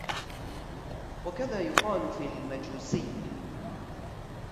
وَكَذَا يُقَالُ فِي الْمَجُوسِيَّةِ